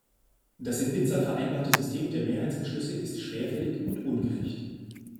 Das in Nizza vereinbarte System der Mehrheitsbeschlüsse ist schwerfällig und ungerecht.